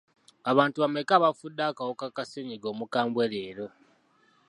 Abantu bameka abafudde akawuka ka ssenyiga omukambwe leero?